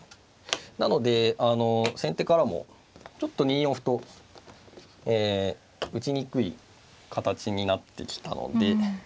なので先手からもちょっと２四歩と打ちにくい形になってきたので。